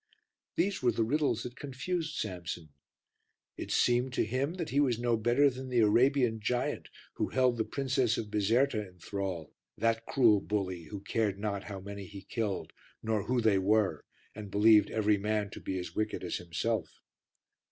These were the riddles that confused Samson. It seemed to him that he was no better than the Arabian giant who held the Princess of Bizerta in thrall that cruel bully who cared not how many he killed, nor who they were, and believed every man to be as wicked as himself.